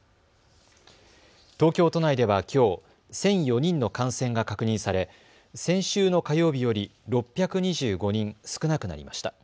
東京都内ではきょう、１００４人の感染が確認され先週の火曜日より６２５人少なくなりました。